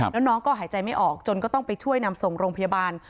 แล้วน้องก็หายใจไม่ออกจนก็ต้องไปช่วยนำส่งโรงพยาบาล